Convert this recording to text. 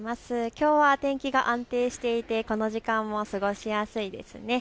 きょうは天気が安定していてこの時間も過ごしやすいですね。